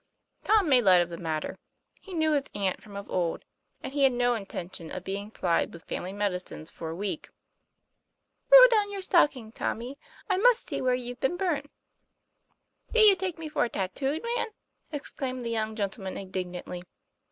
Tom made light of the matter; he knew his aunt from of old, and he had no intention of being plied with family medicines for a week. ' Roll down your stocking, Tommy, I must see where you've been burnt." ' Do you take me for a tattooed man ?" exclaimed the young gentleman indignantly.